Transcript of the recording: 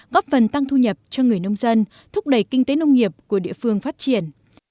góp phần tăng thu nhập cho người nông dân thúc đẩy kinh tế nông nghiệp của địa phương phát triển